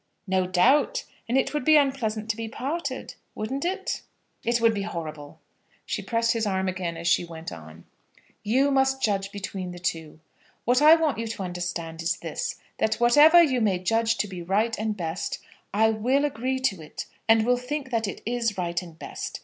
"No doubt; and it would be unpleasant to be parted; wouldn't it?" "It would be horrible." She pressed his arm again as she went on. "You must judge between the two. What I want you to understand is this, that whatever you may judge to be right and best, I will agree to it, and will think that it is right and best.